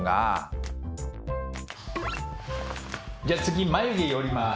じゃあ次眉毛寄ります。